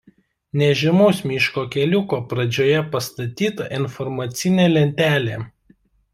Nežymaus miško keliuko pradžioje pastatyta informacinė lentelė.